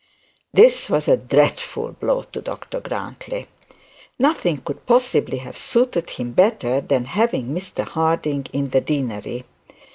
This was a dreadful blow to Dr Grantly. Nothing could possibly have suited him better than having Mr Harding in the deanery.